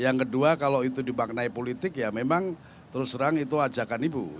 yang kedua kalau itu dibaknai politik ya memang terus terang itu ajakan ibu